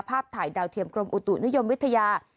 ภาพถ่ายดาวเทียมกรมอุตุนิยมวิทยา